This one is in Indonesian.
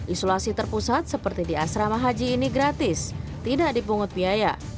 isolasi terpusat seperti di asrama haji ini gratis tidak dipungut biaya